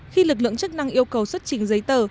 khi lực lượng chức năng yêu cầu xuất trình giấy tờ